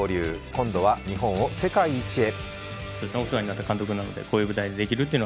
今度は日本を世界一へ。